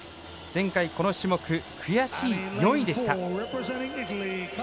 前回、この種目悔しい４位でした。